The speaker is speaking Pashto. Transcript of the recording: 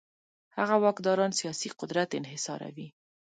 هغه واکداران سیاسي قدرت انحصاروي.